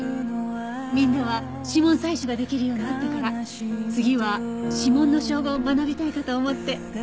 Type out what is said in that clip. みんなは指紋採取ができるようになったから次は指紋の照合を学びたいかと思って。